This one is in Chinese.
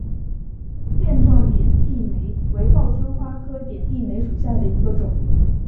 垫状点地梅为报春花科点地梅属下的一个种。